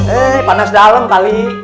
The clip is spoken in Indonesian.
eh panas dalem kali